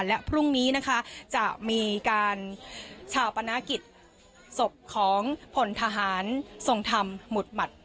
และพรุ่งนี้นะคะจะมีการชาปนากิจศพของผลทหารทรงธรรมหมุดหมัด